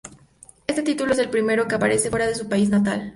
Este título es el primero que aparece fuera de su país natal.